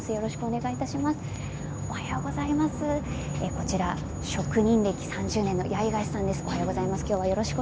こちらは職人歴３０年の八重樫亮さんです。